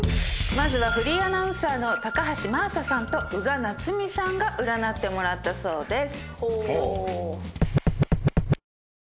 まずはフリーアナウンサーの高橋真麻さんと宇賀なつみさんが占ってもらったそうです。